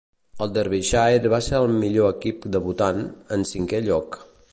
El Derbyshire va ser el millor equip debutant, en cinquè lloc.